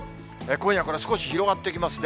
今夜これ、少し広がってきますね。